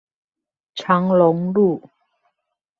長龍路